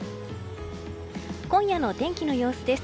今夜の天気の様子です。